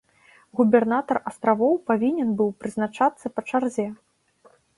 Губернатар астравоў павінен быў прызначацца па чарзе.